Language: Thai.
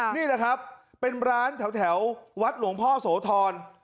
นี่แหละครับเป็นร้านแถววัดหลวงพ่อโสธร